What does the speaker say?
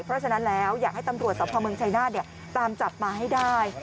เพราะฉะนั้นแล้วอยากให้ตำรวจสภเมืองชายนาฏตามจับมาให้ได้